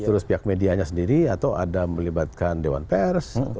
terus pihak medianya sendiri atau ada melibatkan dewan pers